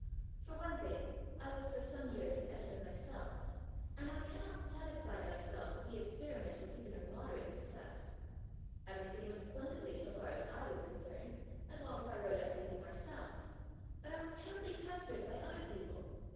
For one thing, I was for some years an editor myself, and I cannot satisfy myself that the experiment was even a moderate success. Everything went splendidly, so far as I was concerned, as long as I wrote everything myself; but I was terribly pestered by other people.